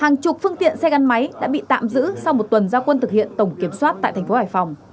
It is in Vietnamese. hàng chục phương tiện xe gắn máy đã bị tạm giữ sau một tuần gia quân thực hiện tổng kiểm soát tại thành phố hải phòng